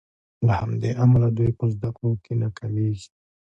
له همدې امله دوی په زدکړو کې ناکامیږي.